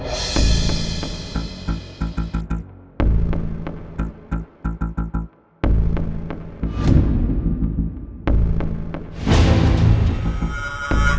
aku mau ke rumah